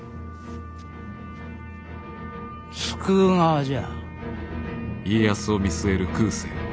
救う側じゃ。